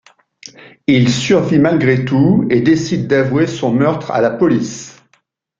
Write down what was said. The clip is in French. Il survit malgré tout, et décide d'avouer son meurtre à la police.